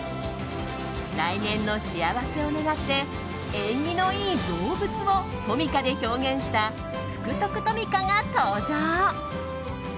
来年の幸せを願って縁起のいい動物をトミカで表現した福徳トミカが登場。